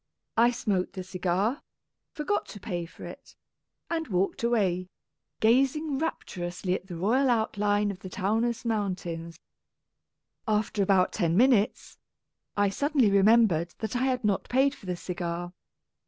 I smoked the cigar, forgot to pay for it, and walked away, gaz ing rapturously at the royal outline of the Taunus mountains. After about ten min utes, I suddenly remembered that I had not paid for the cigar.